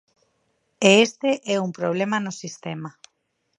E este é un problema no sistema.